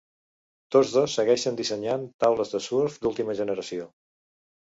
Tots dos segueixen dissenyant taules de surf d'última generació.